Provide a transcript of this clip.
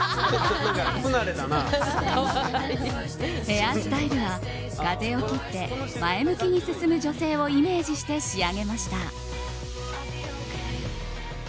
ヘアスタイルは、風を切って前向きに進む女性をイメージして仕上げました。